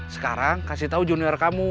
sekarang kasih tahu junior kamu